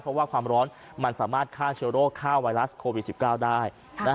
เพราะว่าความร้อนมันสามารถฆ่าเชื้อโรคฆ่าไวรัสโควิด๑๙ได้